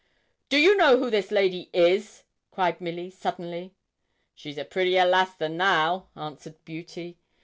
'Do you know who this lady is?' cried Milly, suddenly. 'She is a prettier lass than thou,' answered Beauty.